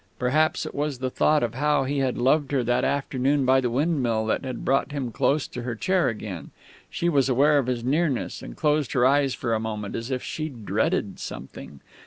Perhaps it was the thought of how he had loved her that afternoon by the windmill that had brought him close to her chair again. She was aware of his nearness, and closed her eyes for a moment as if she dreaded something.